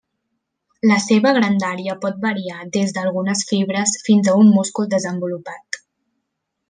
La seva grandària pot variar des d'algunes fibres, fins a un múscul desenvolupat.